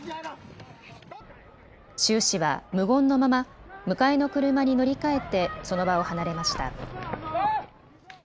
周氏は無言のまま迎えの車に乗り換えて、その場を離れました。